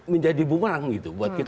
itu menjadi bumerang gitu buat kita lihat